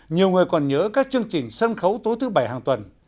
nhiều người còn nhớ các chương trình sân khấu tối thứ bảy hàng tuần